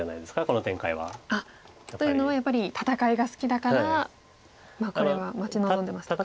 この展開は。というのはやっぱり戦いが好きだからこれは待ち望んでましたか。